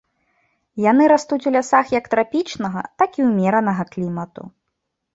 Яны растуць у лясах як трапічнага, так і ўмеранага клімату.